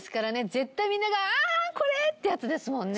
絶対みんなが「あっこれ」ってやつですもんね。